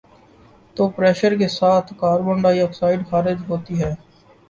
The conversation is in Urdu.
تو پر یشر کے ساتھ کاربن ڈائی آکسائیڈ خارج ہوتی ہے